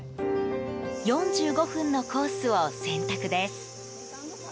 ４５分のコースを選択です。